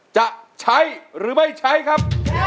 จะใช้หรือไม่ใช้ครับ